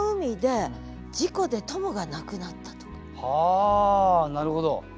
あなるほど。